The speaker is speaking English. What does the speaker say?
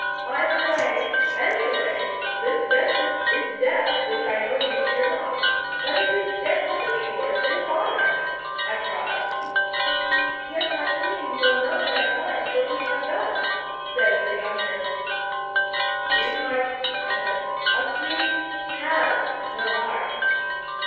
'"Either way any way this venture is death, which I know you fear not. But it is death with assured dishonour," I cried. '"Yet our Queen will know in her heart what we have done," says the younger. '"Sweetheart," I said. "A queen has no heart."